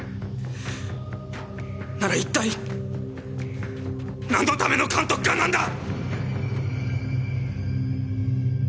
なら一体なんのための監督官なんだ！？